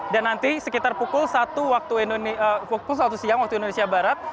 dan nanti sekitar pukul satu siang waktu indonesia barat